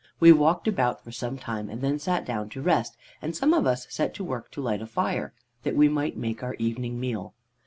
We walked about for some time and then sat down to rest, and some of us set to work to light a fire, that we might make our evening meal.